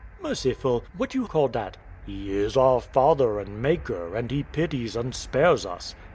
] Wife. Merciful! What you call dat? W.A. He is our Father and Maker, and He pities and spares us.